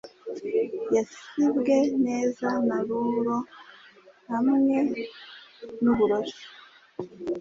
Yasibwe neza na ruro hamwe n'uburoso